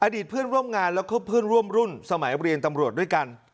อดีตเพื่อนร่วมงานแล้วก็เพื่อนร่วมรุ่นสมัยเรียนตำรวจด้วยกัน